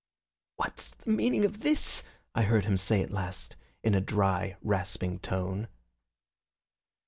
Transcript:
"What's the meaning of this?" I heard him say at last in a dry, rasping tone.